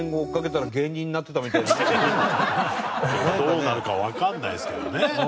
どうなるかわかんないですけどね。